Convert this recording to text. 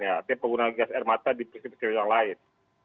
yaitu penggunaan gas air mata di prinsip prinsip yang lain